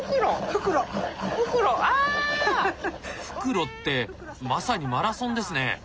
「復路」ってまさにマラソンですね。